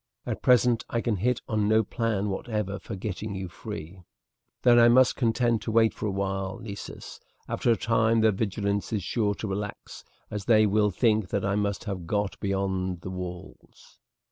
At present I can hit on no plan whatever for getting you free." "Then I must be content to wait for a while, Nessus. After a time their vigilance is sure to relax, as they will think that I must have got beyond the walls."